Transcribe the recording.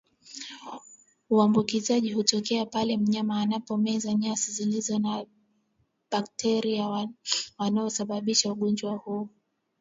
Uambukizaji hutokea pale mnyama anapomeza nyasi zilizo na bakteria wanaosababisha ugonjwa huu